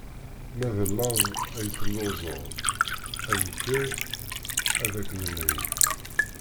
Ma d laẓ ay telluẓeḍ, ad nekker ad ak-nelhi.